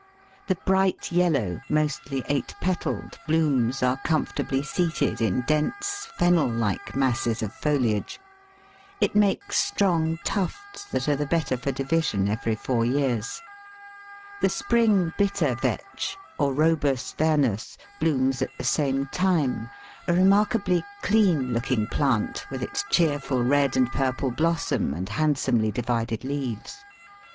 The bright yellow, mostly eight petalled, blooms are comfortably seated in dense, fennel like masses of foliage. It makes strong tufts, that are the better for division every four years. The spring Bitter vetch (Orobus vernus) blooms at the same time, a remarkably clean looking plant, with its cheerful red and purple blossom and handsomely divided leaves.